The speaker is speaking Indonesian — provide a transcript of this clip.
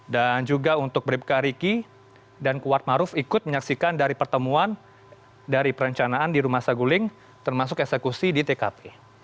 dan juga untuk bribka riki dan kuatmaruf ikut menyaksikan dari pertemuan dari perencanaan di rumah saguling termasuk eksekusi di tkp